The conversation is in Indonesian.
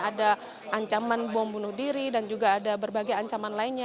ada ancaman bom bunuh diri dan juga ada berbagai ancaman lainnya